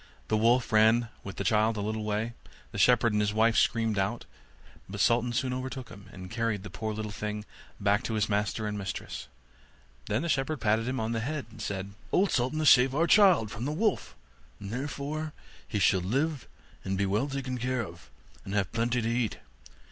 The wolf ran with the child a little way; the shepherd and his wife screamed out; but Sultan soon overtook him, and carried the poor little thing back to his master and mistress. Then the shepherd patted him on the head, and said, 'Old Sultan has saved our child from the wolf, and therefore he shall live and be well taken care of, and have plenty to eat.